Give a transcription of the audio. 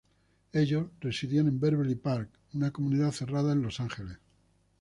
Ellos residían en Beverly Park, una comunidad cerrada en Los Ángeles.